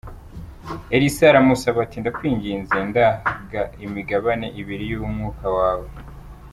" Elisa aramusaba ati "Ndakwinginze, ndaga imigabane ibiri y’umwuka wawe.